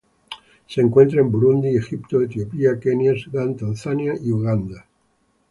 Se encuentra en Burundi, Egipto, Etiopía, Kenia, Sudán Tanzania y Uganda.